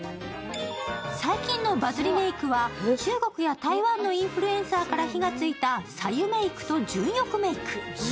最近のバズりメークは中国や台湾のインフルエンサーから火がついた、さ湯メークと純欲メーク。